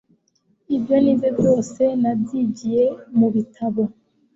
Ibyo nize byose nabyigiye mu bitabo